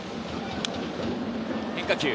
変化球。